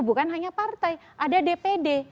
bukan hanya partai ada dpd